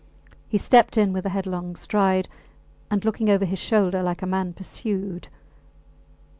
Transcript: He stepped in with a headlong stride and looking over his shoulder like a man pursued.